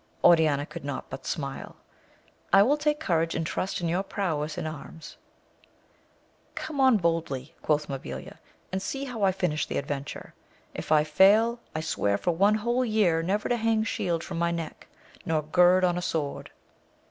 Oriana could not but smile. I will take courage, and trust in your prowess in arms. 12 AMADIS OF GAUL, Come on boldly, quoth Mftbilia, and see how I finish the adventure ! if I fail, I swear for one whole year never to hang shield from my neck, nor gird on a sword.